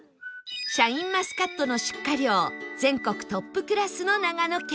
シャインマスカットの出荷量全国トップクラスの長野県